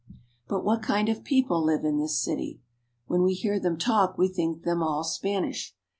But what kind of people live in this city ? When we hear them talk we think them all Spanish.